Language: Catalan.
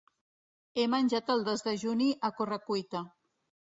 He menjat el desdejuni a correcuita.